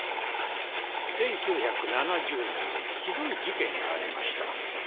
１９７０年にひどい事件がありました。